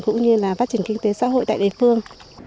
cũng như là phát triển kinh tế xã hội tại địa phương